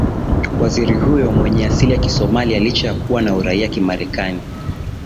waziri huyo mwenye asili ya kisomalia licha ya kuwa na uraia kimarekani